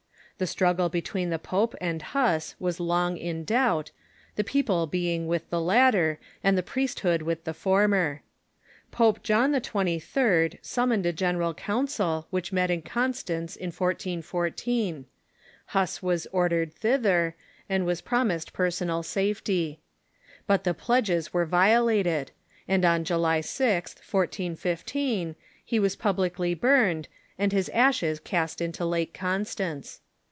The struggle between the pope and IIuss Avas long in doubt, the people being with the latter, and the priesthood Avith the former. Pope John XXIII. summoned a general council, which met in Constance in 1414. Huss was ordered thither, and Avas promised per sonal safety. But the pledges were violated, and on July 0th, 1415, he Avas publicly burned, and his ashes cast into Lake Constance.